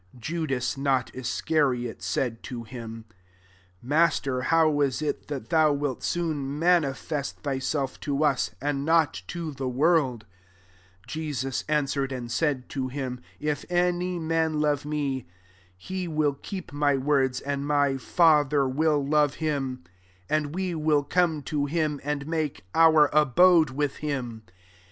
22 Judas (not Iscariot) said to him, " Master, how is it that thou wik soon manifest thyself to us, and not to the i/yK)rld i" 23 Jesus answered, and said to him, " If any man love me, he will keep my words ; and my Father will love him, and we will come to him, and make our abode with him.